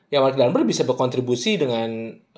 ya malik danberg bisa berkontribusi dengan